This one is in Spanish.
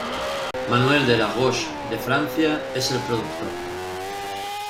Manuel De La Roche de Francia, es el productor.